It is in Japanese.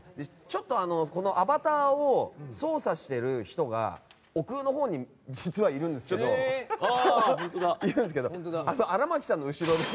ちょっとアバターを操作している人が奥のほうに実はいるんですけど荒牧さんの後ろで。